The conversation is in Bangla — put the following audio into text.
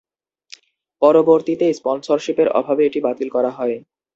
পরবর্তীতে স্পন্সরশিপের অভাবে এটি বাতিল করা হয়।